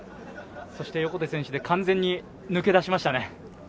横手選手で完全に抜け出しましたね。